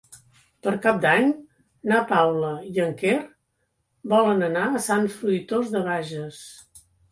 Per Cap d'Any na Paula i en Quer volen anar a Sant Fruitós de Bages.